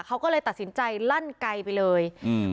เขาก็เลยตัดสินใจลั่นไกลไปเลยอืม